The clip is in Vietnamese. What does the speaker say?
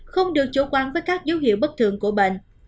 không được chủ quan với các dấu hiệu bất thường của bệnh